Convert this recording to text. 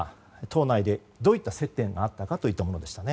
党内でどういった接点があったかというものでした。